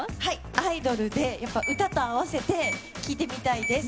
「アイドル」で歌と合わせて聴いてみたいです。